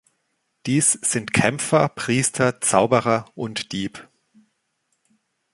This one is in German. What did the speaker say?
Dies sind Kämpfer, Priester, Zauberer und Dieb.